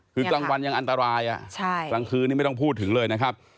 คือกลางวันยังอันตรายกลางคืนนี้ไม่ต้องพูดถึงเลยนะครับ